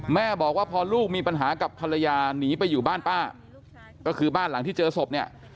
แม่บอกว่าพอลูกมีปัญหากับภรรยาหนีไปอยู่บ้านป้าก็คือบ้านหลังที่เจอศพเนี่ย